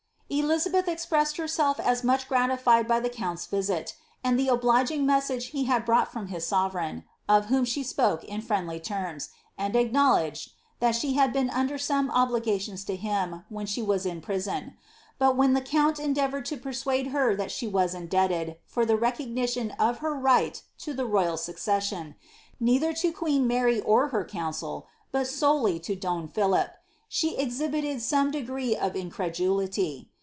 Elizabeth expressed herself as much gratified by the count's visit, and the obliging message he had brought from his sovereign, of whom she spoke in friendly terms, and acknowledged, that she had been under some obligations to him when she was in prison ; but when the count endeavoured to persuade her that she was indebted, for the recognition of her right to the royal succession, neither to queen Mary nor her council, but solely to don Philip, she exhibited some degree of incre dulity.